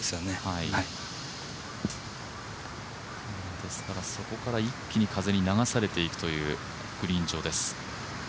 ですからそこから一気に風に流されていくというグリーン上です。